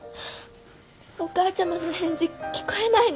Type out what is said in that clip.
お母ちゃまのお返事聞こえないの？